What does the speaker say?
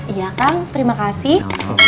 iya kang terima kasih